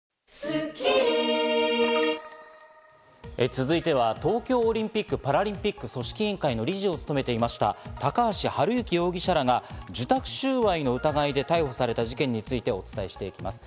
続いては、東京オリンピック・パラリンピック組織委員会の理事を務めていました高橋治之容疑者らが、受託収賄の疑いで逮捕された事件についてお伝えしていきます。